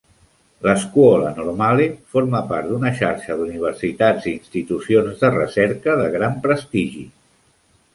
La Scuola Normale forma part d'una xarxa d'universitats i institucions de recerca de gran prestigi.